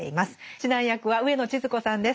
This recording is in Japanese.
指南役は上野千鶴子さんです。